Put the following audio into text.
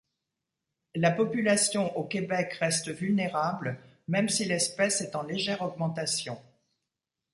La population au Québec reste vulnérable même si l'espèce est en légère augmentation.